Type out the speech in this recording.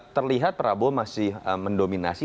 terlihat prabowo masih mendominasi